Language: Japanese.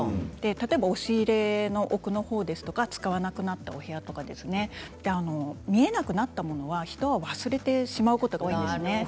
例えば押し入れの奥の方とか使わなくなったお部屋とか見えなくなった物は人は忘れてしまうことが多いんですね。